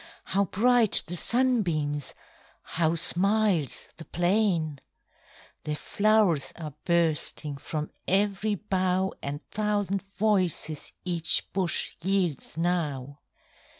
How bright the sunbeams! How smiles the plain! The flow'rs are bursting From ev'ry bough, And thousand voices Each bush yields now.